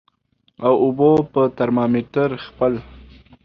او اوبو په ترمامیټر خپل